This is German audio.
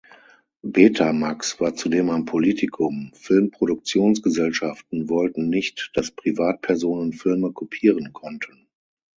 Betamax war zudem ein Politikum: Filmproduktionsgesellschaften wollten nicht, dass Privatpersonen Filme kopieren konnten.